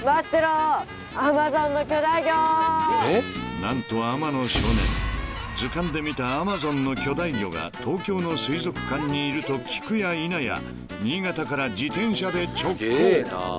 ［何と天野少年図鑑で見たアマゾンの巨大魚が東京の水族館にいると聞くやいなや新潟から自転車で直行］